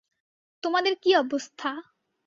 তোমাদের কী অবস্থা?